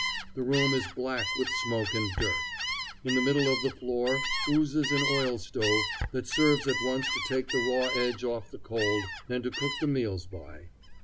The room is black with smoke and dirt. In the middle of the floor oozes an oil stove that serves at once to take the raw edge off the cold and to cook the meals by.